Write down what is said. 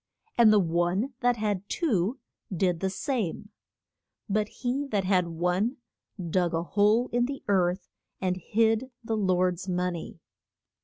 And the one that had two did the same. But he that had one dug a hole in the earth and hid his lord's mon ey.